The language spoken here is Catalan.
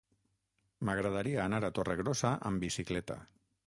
M'agradaria anar a Torregrossa amb bicicleta.